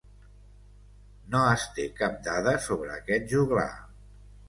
No es té cap dada sobre aquest joglar.